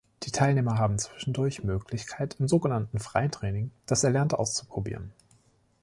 Die Teilnehmer haben zwischendurch Möglichkeit im sogenannten "freien Training" das Erlernte auszuprobieren.